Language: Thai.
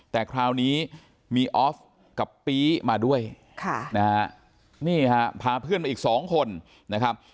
แต่คราวนี้มีออฟกับปี๊มาด้วยพาเพื่อนมาอีก๒คนนะครับ